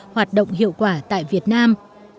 hoạt động hiệu quả tại việt nam